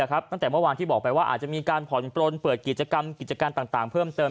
ตั้งแต่เมื่อวานที่บอกไปว่าอาจจะมีการผ่อนปลนเปิดกิจกรรมกิจการต่างเพิ่มเติม